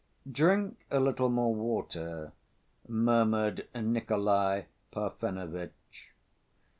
"Drink a little more water," murmured Nikolay Parfenovitch.